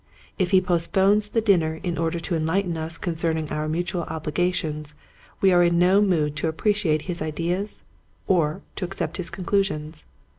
If he postpones the dinner in order to enlighten us concerning our mutual obligations we are in no mood to appreciate his ideas or to accept his conclusions.